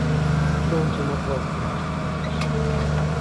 Drones are not welcomed by us.